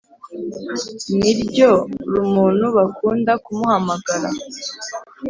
Ni ryo r umuntu bakunda kumuhamagara